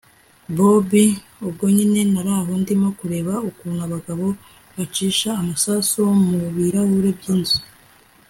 bobi ubwo nyine naraho ndimo kureba ukuntu abagabo bacisha amasasu mubirahure byinzu